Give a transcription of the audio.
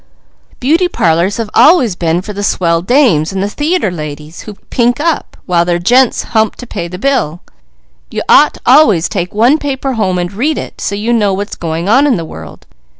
Beauty parlours have always been for the Swell Dames and the theatre ladies, who pink up, while their gents hump to pay the bill. You ought always take one paper home, and read it, so you know what's going on in the world.